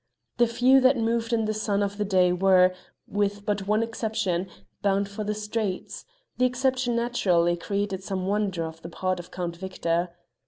The few that moved in the sun of the day were, with but one exception, bound for the streets; the exception naturally created some wonder on the part of Count Victor.